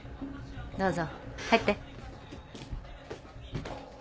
どうぞ入って。